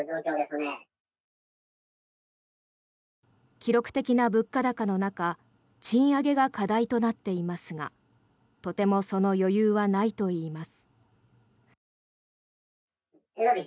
記録的な物価高の中賃上げが課題となっていますがとてもその余裕はないといいます。